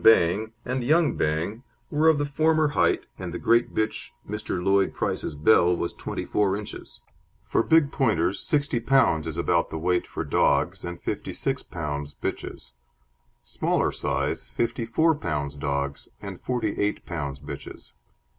Bang and Young Bang were of the former height, and the great bitch, Mr. Lloyd Price's Belle, was 24 inches. For big Pointers 60 pounds is about the weight for dogs and 56 pounds bitches; smaller size, 54 pounds dogs and 48 pounds bitches.